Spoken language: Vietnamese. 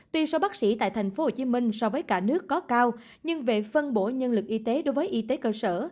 tuy số bác sĩ tại tp hcm so với cả nước có cao nhưng về phân bổ nhân lực y tế đối với y tế cơ sở